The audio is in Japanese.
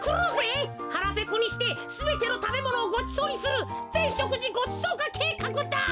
はらぺこにしてすべてのたべものをごちそうにするぜんしょくじごちそうかけいかくだ。